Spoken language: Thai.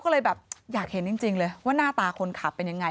เห็นจริงเลยว่าหน้าตาคนขับเป็นอย่างไร